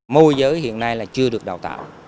môi giới hiện nay là chưa được đào tạo